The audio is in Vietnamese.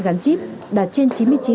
gắn chip đạt trên chín mươi chín